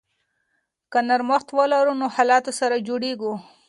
که نرمښت ولرو نو له حالاتو سره جوړیږو.